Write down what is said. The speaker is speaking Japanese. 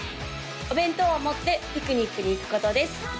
お弁当を持ってピクニックに行くことです